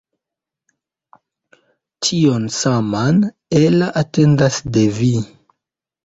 Tion saman Ella atendas de vi!